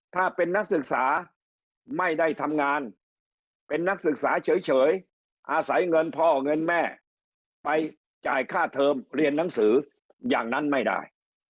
ถ้าเป็นนักศึกษาไม่ได้ทำงานเป็นนักศึกษาเฉยอาศัยเงินพ่อเงินแม่ไปจ่ายค่าเทอมเรียนหนังสืออย่างนั้นไม่ได้